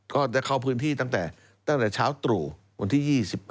ก็จะเข้าพื้นที่ตั้งแต่เช้าตรู่วันที่๒๘